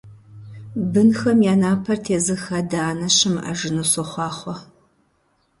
Бынхэм я напэр тезых адэ-анэ щымыӀэжыну сохъуахъуэ!